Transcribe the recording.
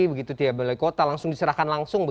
begitu tidak melalui kota langsung diserahkan langsung